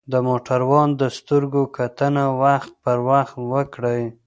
د موټروان د سترګو کتنه وخت پر وخت وکړئ.